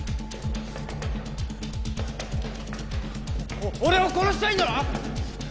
お俺を殺したいんだろ！？